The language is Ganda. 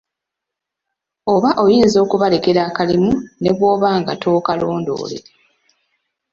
Oba oyinza okubalekera akalimu ne bw'oba nga tookalondoole.